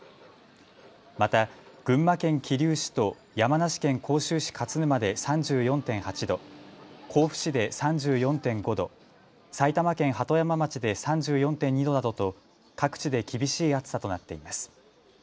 また群馬県桐生市と山梨県甲州市勝沼で３４．８度、甲府市で３４．５度、埼玉県鳩山町で３４．２度などと各地で厳しい暑さとなっています。